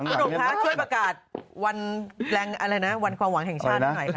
บุรุภาพช่วยประกาศวันแรงอะไรนะวันความหวังแห่งชาติไหนค่ะ